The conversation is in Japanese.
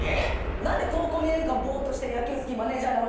何で高校２年間ぼーっとして「野球好きマネジャーになろ」